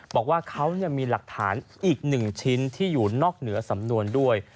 บอกว่าเขามีหลักฐานอีก๑ชิ้นที่อยู่นอกเหนือสำนวนด้วย